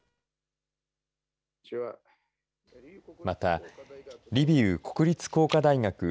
またリビウ国立工科大学